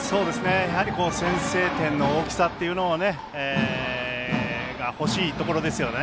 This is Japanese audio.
やはり先制点の大きさというのもほしいところですよね。